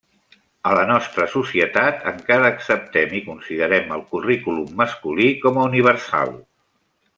A la nostra societat, encara acceptem i considerem el currículum masculí com a universal.